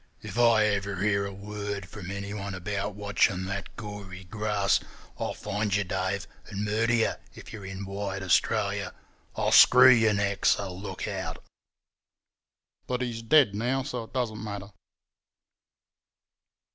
If I ever hear a word from anyone about watching that gory grass, I'll find you, Dave, and murder you, if you're in wide Australia. I'll screw your neck, so look out.' "But he's dead now, so it doesn't matter."